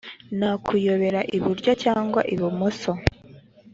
nta kuyobera iburyo cyangwa ibumoso.